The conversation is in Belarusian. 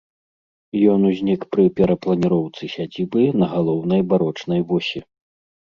Ён узнік пры перапланіроўцы сядзібы на галоўнай барочнай восі.